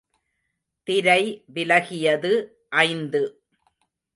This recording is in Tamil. திரை விலகியது ஐந்து.